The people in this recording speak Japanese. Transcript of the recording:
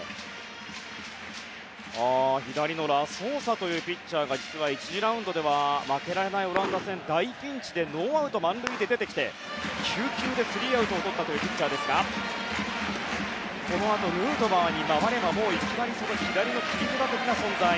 左のラソーサというピッチャーが１次ラウンドでは負けられないオランダ戦の大ピンチノーアウト満塁で出てきて９球でスリーアウトをとったというピッチャーですがこのあとヌートバーに回ればもういきなり左の切り札という存在。